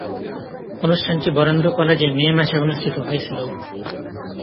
অনুষ্ঠানটি বরেন্দ্র কলেজে মে মাসে অনুষ্ঠিত হয়েছিলো।